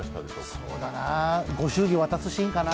そうだなぁ、御祝儀渡すシーンかなぁ。